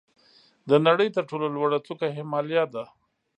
د نړۍ تر ټولو لوړه څوکه هیمالیا ده.